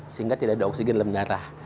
sehingga tidak ada oksigen dalam darah